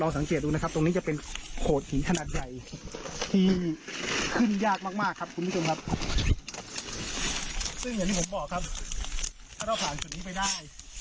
ซึ่งอย่างที่ผมบอกครับถ้าเราผ่านจุดนี้ไปได้